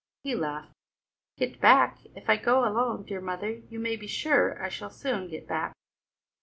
He laughed. "Get back? If I go alone, dear mother, you may be sure I shall soon get back.